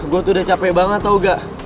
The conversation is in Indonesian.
gue tuh udah capek banget tau gak